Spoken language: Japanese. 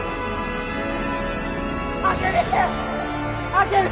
明美！